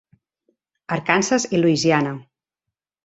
Arkansas i Louisiana.